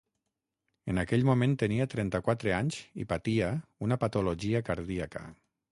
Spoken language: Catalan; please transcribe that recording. En aquell moment tenia trenta-quatre anys i patia una patologia cardíaca.